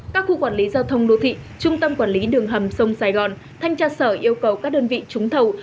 các khu quản lý giao thông đô thị trung tâm quản lý đường hầm sông sài gòn thanh tra sở yêu cầu các đơn vị trúng thầu